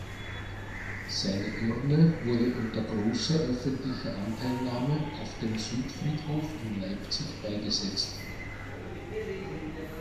Seine Urne wurde unter großer öffentlicher Anteilnahme auf dem Südfriedhof in Leipzig beigesetzt.